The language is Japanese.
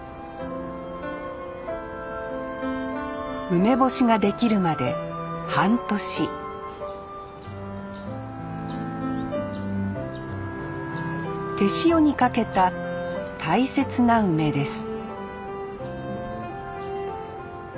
梅干しができるまで半年手塩にかけた大切な梅です